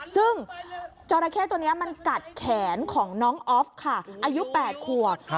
ซึ่งจอราเคตัวเนี้ยมันกัดแขนของน้องออฟค่ะอายุแปดขวดค่ะ